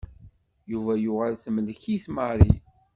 Yuba yuɣal temmlek-it Mary.